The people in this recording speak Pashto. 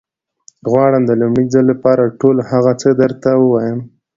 غواړم د لومړي ځل لپاره ټول هغه څه درته ووايم.